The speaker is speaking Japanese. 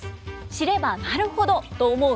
知ればなるほどと思う